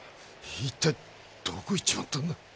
一体どこ行っちまったんだ。